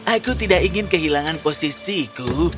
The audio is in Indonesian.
aku tidak ingin kehilangan posisiku